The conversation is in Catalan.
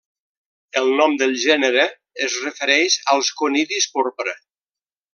El nom del gènere es refereix als conidis porpra.